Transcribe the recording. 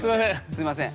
すいません。